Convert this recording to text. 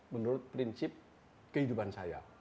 menurut prinsip kehidupan saya